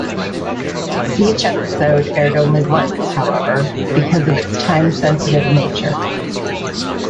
Each episode aired only once, however, because of its time-sensitive nature.